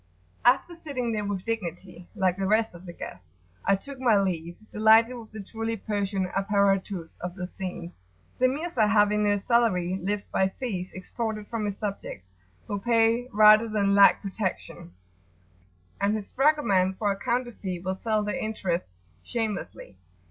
After sitting there with dignity, like the rest of the guests, I took my leave, delighted with the truly Persian [p.88]"apparatus" of the scene. The Mirza, having no salary, lives by fees extorted from his subjects, who pay rather than lack protection; and his dragoman for a counter fee will sell their interests shamelessly.